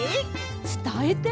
つたえて。